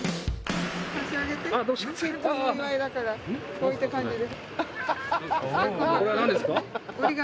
こういった感じで。